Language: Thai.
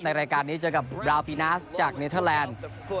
รายการนี้เจอกับราวปีนาสจากเนเทอร์แลนด์